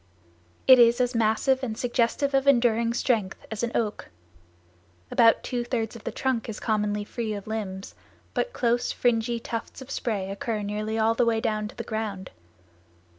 It is as massive and suggestive of enduring strength as an oak. About two thirds of the trunk is commonly free of limbs, but close, fringy tufts of spray occur nearly all the way down to the ground.